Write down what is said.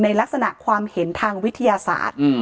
ลักษณะความเห็นทางวิทยาศาสตร์